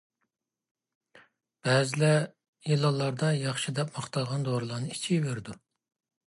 بەزىلەر ئېلانلاردا ياخشى دەپ ماختالغان دورىلارنى ئىچىۋېرىدۇ.